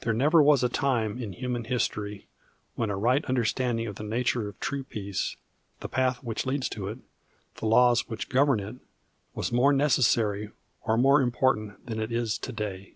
There never was a time in human history when a right understanding of the nature of true peace, the path which leads to it, the laws which govern it, was more necessary or more important than it is to day.